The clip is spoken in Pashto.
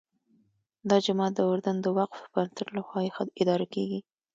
دا جومات د اردن د وقف بنسټ لخوا اداره کېږي.